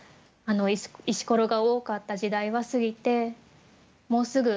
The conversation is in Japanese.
石ころが多かった時代は過ぎてもうすぐ大らかな海に出る。